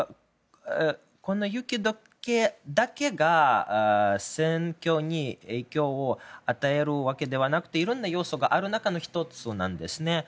この雪解けだけが戦況に影響を与えるわけではなくて色んな要素がある中の１つなんですね。